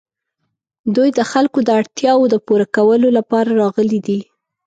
دوی د خلکو د اړتیاوو د پوره کولو لپاره راغلي دي.